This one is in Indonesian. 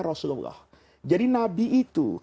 rasulullah jadi nabi itu